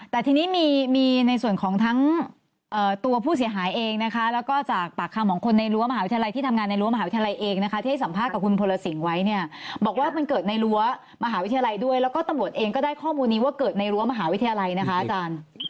แต่ทีนี้มีในส่วนของทั้งตัวผู้เสียหายเองนะคะแล้วก็จากปากคำของคนในรั้วมหาวิทยาลัยที่ทำงานในรั้วมหาวิทยาลัยเองนะคะที่ให้สัมภาษณ์กับคุณพลสิงห์ไว้เนี่ยบอกว่ามันเกิดในรั้วมหาวิทยาลัยด้วยแล้วก็ตำรวจเองก็ได้ข้อมูลนี้ว่าเกิดในรั้วมหาวิทยาลัยนะคะอาจารย์